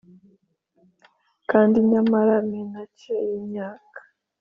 kandi nyamara menace yimyaka